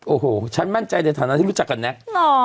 โอ้โหฉันมั่นใจในฐานะที่รู้จักกับแน็ก